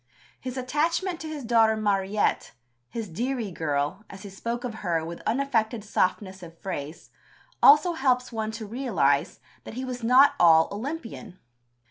His attachment to his daughter Mariette his "dearie girl," as he spoke of her with unaffected softness of phrase also helps one to realize that he was not all Olympian.